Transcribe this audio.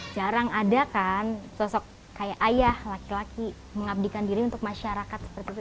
jarang ada kan sosok kayak ayah laki laki mengabdikan diri untuk masyarakat seperti itu